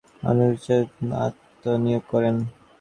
তিনি জ্ঞান বিস্তারে কাজে আত্মনিয়োগ করেন।